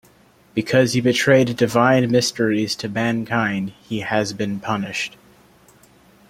Because he betrayed divine mysteries to mankind, he has been punished.